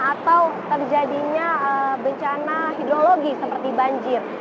atau terjadinya bencana hidrologi seperti banjir